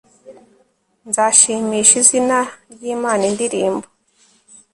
nzashimisha izina ry'imana indirimbo